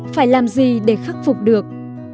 phải làm gì để khắc phục được